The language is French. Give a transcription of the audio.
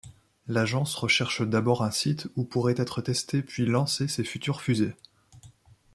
L'agence recherche d'abord un site où pourrait être testé puis lancé ses futures fusées.